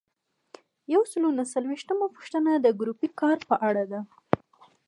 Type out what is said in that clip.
یو سل او نهه څلویښتمه پوښتنه د ګروپي کار په اړه ده.